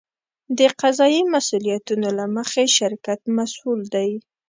د قضایي مسوولیتونو له مخې شرکت مسوول دی.